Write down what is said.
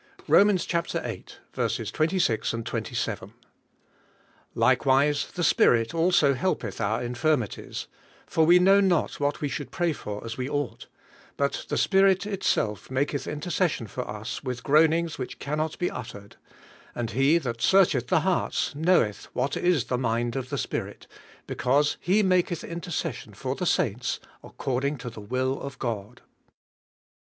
XII. • Romans 8: 26 2'j. — Likezvise the Spirit also helpeth our in firmities : for we know not what we should pray for as zve ought : but the Spirit itself maketh intercession for us with groanings ivhich cannot be uttered. And he that searcheth the hearts knoweth zvhat is the mind of the Spirit, because he maketh intercession for the saints according to the will of God.